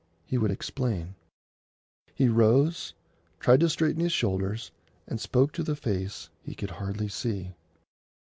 He would explain. He rose, tried to straighten his shoulders, and spoke to the face he could hardly see.